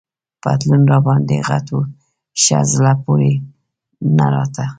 پتلون راباندي غټ وو، ښه زړه پورې نه راته.